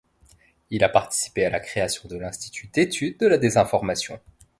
Il a participé à la création de l'Institut d'études de la désinformation.